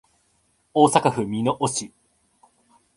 大阪府箕面市